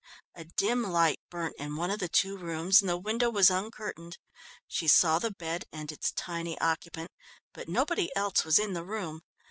A dim light burnt in one of the two rooms and the window was uncurtained. She saw the bed and its tiny occupant, but nobody else was in the room.